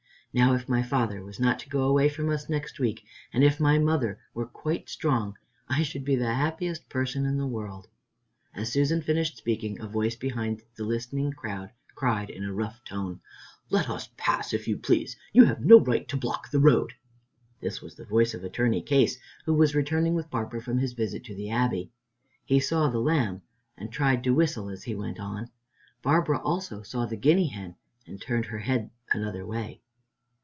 "Now, if my father was not to go away from us next week, and if my mother were quite strong, I should be the happiest person in the world." As Susan finished speaking, a voice behind the listening crowd cried, in a rough tone, "Let us pass, if you please; you have no right to block the road." This was the voice of Attorney Case, who was returning with Barbara from his visit to the Abbey. He saw the lamb and tried to whistle as he went on. Barbara also saw the guinea hen and turned her head another way.